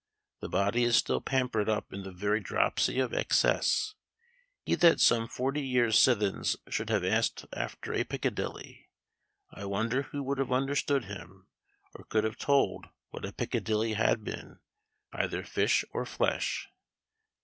The body is still pampered up in the very dropsy of excess. He that some fortie years sithens should have asked after a Pickadilly, I wonder who would have understood him; or could have told what a Pickcadilly had been, either fish or flesh."